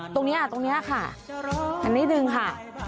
ตรงนี้ค่ะอันนี้นึงค่ะ